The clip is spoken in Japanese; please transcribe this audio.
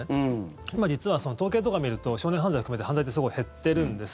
今、実は東京とか見ると少年犯罪を含めて犯罪ってすごい減っているんです。